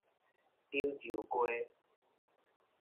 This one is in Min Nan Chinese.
柳州街